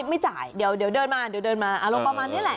ไม่จ่ายเดี๋ยวเดินมาเดี๋ยวเดินมาอารมณ์ประมาณนี้แหละ